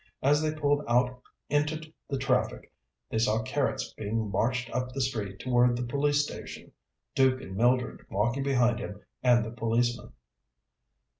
As they pulled out into the traffic, they saw Carrots being marched up the street toward the police station, Duke and Mildred walking behind him and the policeman.